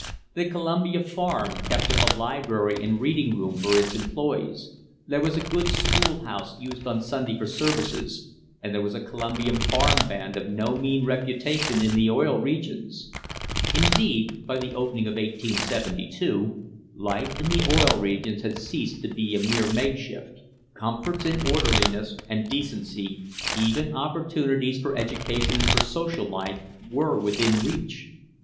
The Columbia farm kept up a library and reading room for its employees ; there was a good schoolhouse used on Sun day for services, and there was a Columbia farm band of no mean reputation in the Oil Regions. Indeed, by the opening of 1872, life in the Oil Regions had ceased to be a mere make shift. Comforts and orderliness and decency, even opportunities for education and for social life, were within reach.